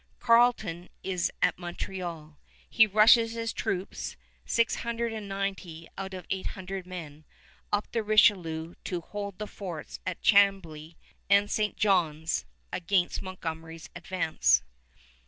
Carleton is at Montreal. He rushes his troops, six hundred and ninety out of eight hundred men, up the Richelieu to hold the forts at Chambly and St. John's against Montgomery's advance.